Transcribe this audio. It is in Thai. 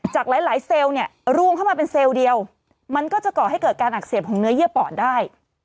จากหลายเซลล์เนี่ยรวมเข้ามาเป็นเซลล์เดียวมันก็จะก่อให้เกิดการอักเสบของเนื้อเยื่อปอดได้